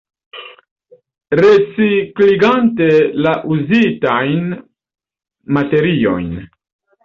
Recikligante la uzitajn materiojn.